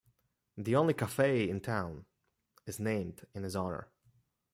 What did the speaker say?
The only cafe in town is named in his honour.